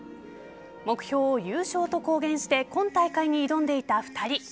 目標を優勝と公言して今大会に挑んでいた２人。